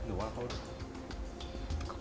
หรือว่าเขา